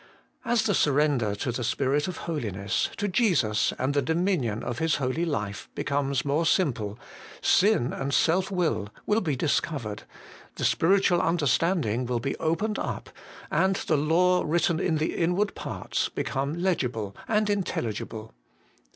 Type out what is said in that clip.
As the surrender to the Spirit of holiness, to Jesus and the dominion of His holy life, becomes more simple, sin and self will will be discovered, the spiritual understanding will be opened up, and the law written in the inward parts become legible and intelligible.